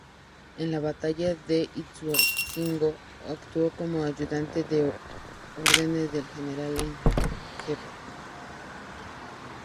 En la batalla de Ituzaingó actuó como ayudante de órdenes del general en jefe.